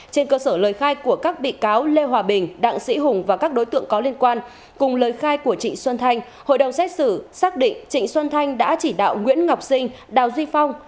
trên cơ sở lời khai của các bị cáo lê hòa bình đặng sĩ hùng và các đối tượng có liên quan cùng lời khai của trịnh xuân thanh hội đồng xét xử xác định trịnh xuân thanh đã chỉ đạo nguyễn ngọc sinh đào duy phong